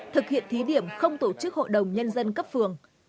thực hiện thí điểm không tổ chức hội đồng nhân dân cấp phường